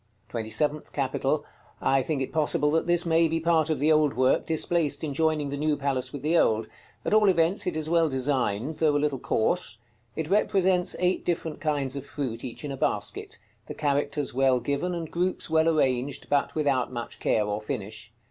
TWENTY SEVENTH CAPITAL. I think it possible that this may be part of the old work displaced in joining the new palace with the old; at all events, it is well designed, though a little coarse. It represents eight different kinds of fruit, each in a basket; the characters well given, and groups well arranged, but without much care or finish.